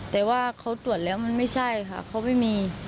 แต่ว่าเขาตรวจแล้วมันไม่ใช่ค่ะเขาไม่มี